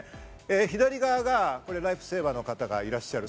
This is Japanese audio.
左側がライフセーバーの方がいらっしゃる。